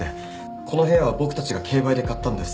この部屋は僕たちが競売で買ったんです。